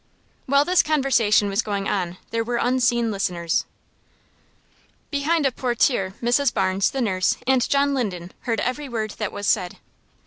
While this conversation was going on there were unseen listeners. Behind a portiere Mrs. Barnes, the nurse, and John Linden heard every word that was said.